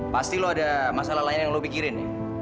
pasti lu ada masalah lain yang lu pikirin ya